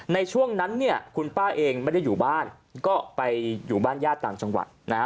ในช่วงนั้นเนี่ยคุณป้าเองไม่ได้อยู่บ้านก็ไปอยู่บ้านญาติต่างจังหวัดนะฮะ